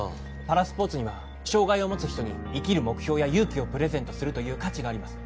パラスポーツには障がいを持つ人に生きる目標や勇気をプレゼントするという価値があります